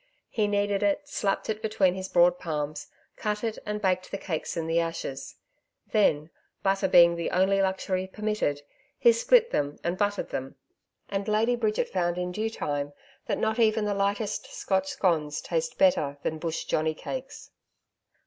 He kneaded it, slapped it between his broad palms, cut it and baked the cakes in the ashes; then, butter being the only luxury permitted, he split them and buttered them; and Lady Bridget found in due time that not even the lightest Scotch scones taste better than bush johnny cakes.